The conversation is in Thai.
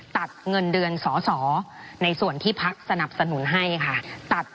ไม่ได้เป็นประธานคณะกรุงตรี